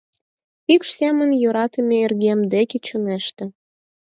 Пикш семын йӧратыме эргем деке чоҥеште.